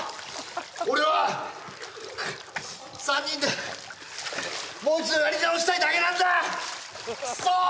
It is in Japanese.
俺は３人でもう一度やり直したいだけなんだクソーッ！